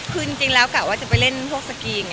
คือจริงแล้วกะว่าจะไปเล่นพวกสกรีน